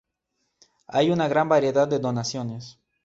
Hay una gran variedad de donaciones.